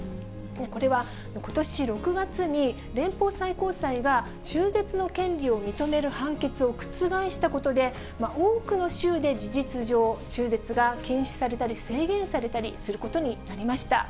これは、ことし６月に連邦最高裁が中絶の権利を認める判決を覆したことで、多くの州で事実上、中絶が禁止されたり、制限されたりすることになりました。